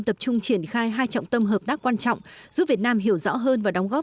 tập trung triển khai hai trọng tâm hợp tác quan trọng giúp việt nam hiểu rõ hơn và đóng góp